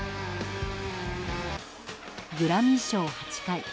グラミー賞８回。